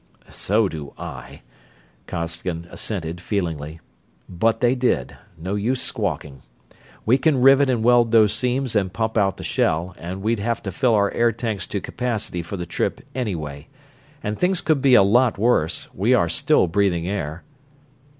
"So do I," Costigan assented, feelingly. "But they did no use squawking. We can rivet and weld those seams and pump out the shell, and we'd have to fill our air tanks to capacity for the trip, anyway. And things could be a lot worse we are still breathing air!"